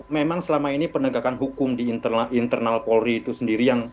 memang selama ini penegakan hukum di internal polri itu sendiri